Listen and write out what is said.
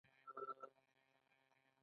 په دې پاڅون کې بزګرانو او کسبګرو ګډون وکړ.